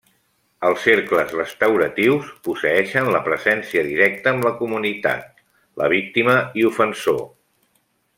Els cercles restauratius posseeixen la presència directa amb la comunitat, la víctima i ofensor.